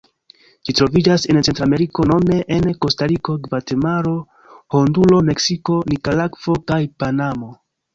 Ĝi troviĝas en Centrameriko nome en Kostariko, Gvatemalo, Honduro, Meksiko, Nikaragvo kaj Panamo.